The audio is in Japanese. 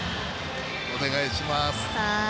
お願いします。